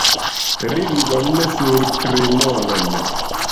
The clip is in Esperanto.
Ringon sur tremolon!